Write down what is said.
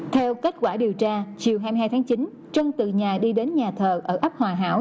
theo kết quả điều tra chiều hai mươi hai tháng chín trung từ nhà đi đến nhà thờ ở ấp hòa hảo